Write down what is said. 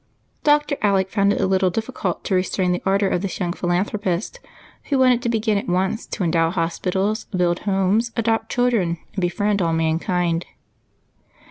Dr. Alec found it a little difficult to restrain the ardor of this young philanthropist who wanted to begin at once to endow hospitals, build homes, adopt children, and befriend all mankind.